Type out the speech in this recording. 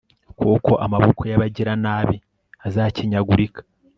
kuko amaboko y'abagiranabi azakenyagurika